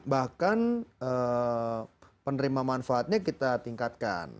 bahkan penerima manfaatnya kita tingkatkan